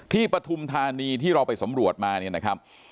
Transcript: ปฐุมธานีที่เราไปสำรวจมาเนี่ยนะครับ